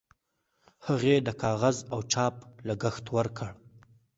هغې د کاغذ او چاپ لګښت ورکړ.